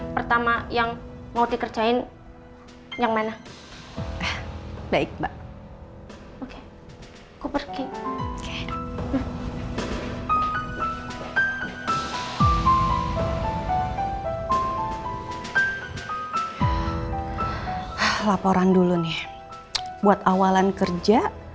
pada awalan kerja